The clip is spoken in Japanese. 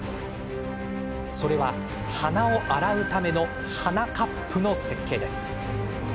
それは、鼻を洗うための鼻カップの設計です。